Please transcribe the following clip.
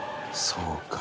そうか。